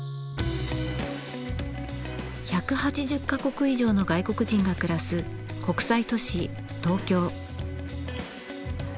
１８０か国以上の外国人が暮らす国際都市東京。